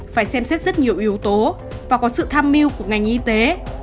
phải xem xét rất nhiều yếu tố và có sự tham mưu của ngành y tế